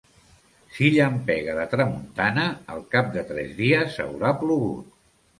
Si llampega de tramuntana al cap de tres dies haurà plogut.